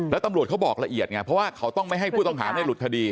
แล้วตำรวจเขาบอกละเอียดไงเพราะว่าเขาต้องไม่ให้ผู้ต้องหาในหลุดคดี